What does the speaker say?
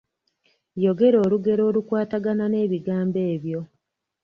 Yogera olugero olukwatagana n’ebigambo ebyo?